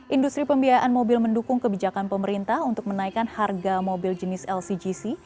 industri pembiayaan mobil mendukung kebijakan pemerintah untuk menaikkan harga mobil jenis lcgc